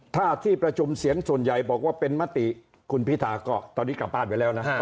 ถ้าที่ประชุมเสียงส่วนใหญ่บอกว่าเป็นมติคุณพิธาก็ตอนนี้กลับบ้านไปแล้วนะฮะ